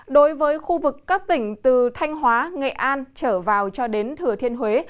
đối với khu vực các tỉnh từ thanh hóa nghệ an trở vào cho đến thừa thiên huế